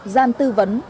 gian tư vấn